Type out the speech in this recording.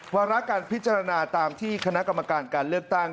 วาระการพิจารณาตามที่คณะกรรมการการเลือกตั้ง